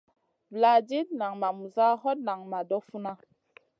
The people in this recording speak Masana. Vuladid nan ma muza, hot nan ma doh funa.